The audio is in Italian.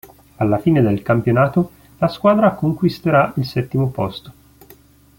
Alla fine del campionato la squadra conquisterà il settimo posto.